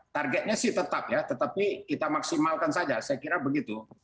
targetnya sih tetap ya tetapi kita maksimalkan saja saya kira begitu